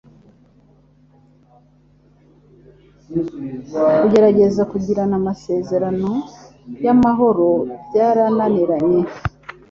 Kugerageza kugirana amasezerano y’amahoro byarananiranye.